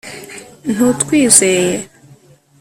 ntutwizeye